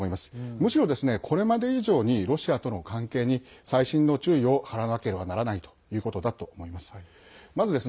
むしろ、これまで以上にロシアとの関係に細心の注意を払わなければならないということだと思います。